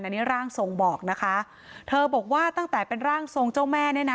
อันนี้ร่างทรงบอกนะคะเธอบอกว่าตั้งแต่เป็นร่างทรงเจ้าแม่เนี่ยนะ